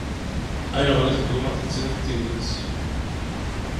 Ayɣer i teggummaḍ ad d-tiniḍ tidet?